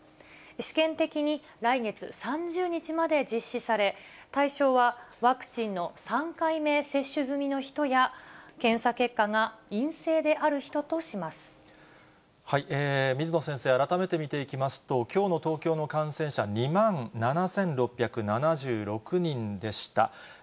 試験的に来月３０日まで実施され、対象はワクチンの３回目接種済みの人や、検査結果が陰性である人水野先生、改めて見ていきますと、きょうの東京の感染者、２万７６７６人でした。